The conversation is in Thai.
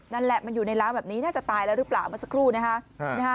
นั่นแหละมันอยู่ในร้านแบบนี้น่าจะตายแล้วหรือเปล่าเมื่อสักครู่นะฮะ